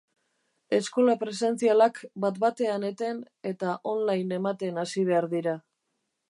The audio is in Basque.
Eskola presentzialak bat-batean eten eta online ematen hasi behar dira.